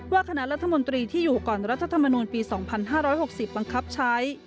คณะรัฐมนตรีที่อยู่ก่อนรัฐธรรมนูลปี๒๕๖๐บังคับใช้